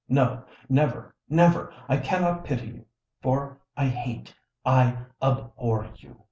No—never, never! I cannot pity you—for I hate, I abhor you!"